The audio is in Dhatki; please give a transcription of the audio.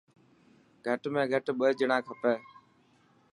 گهٽ ۾ گهٽ ٻه ڄڻا کپي.